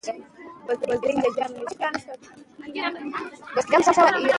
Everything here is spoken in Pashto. هېڅکله مه ناهیلي کیږئ.